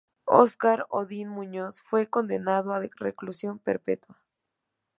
Oscar Odín Muñoz fue condenado a reclusión perpetua.